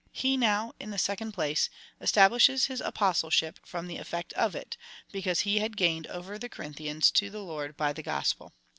He now, in the second place, estab lishes his Apostleship from the effect of it, because he had gained over the Corinthians to the Lord by the gospel.